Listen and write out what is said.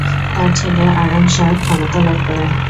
তার ছেলে আরাম শাহ ক্ষমতা লাভ করেন।